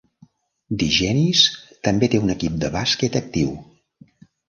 Digenis també té un equip de bàsquet actiu.